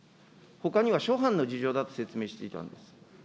ほかには諸般の事情だと説明していたんです。